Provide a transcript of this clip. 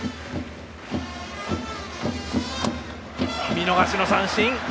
見逃し三振！